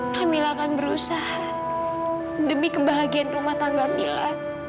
kamila akan berusaha demi kebahagiaan rumah tangga mila